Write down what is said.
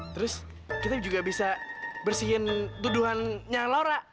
terus kita juga bisa bersihin tuduhannya laura